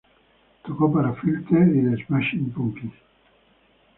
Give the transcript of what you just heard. Tocó para Filter y The Smashing Pumpkins.